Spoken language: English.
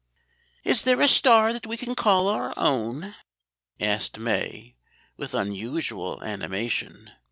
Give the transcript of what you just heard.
"Is there a star that we can call our own?" asked May, with unusual animation.